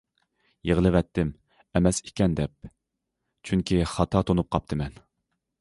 يىغلىۋەتتىم، ئەمەس ئىكەن دەپ، چۈنكى خاتا تونۇپ قاپتىمەن.